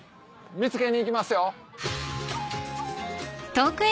見つけにいきますよ！